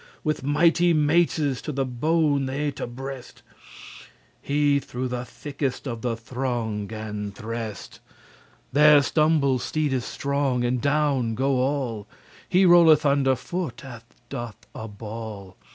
With mighty maces the bones they to brest*. *burst He <81> through the thickest of the throng gan threst*. *thrust There stumble steedes strong, and down go all. He rolleth under foot as doth a ball.